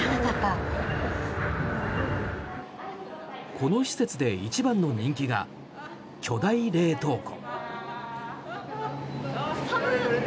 この施設で一番の人気が巨大冷凍庫。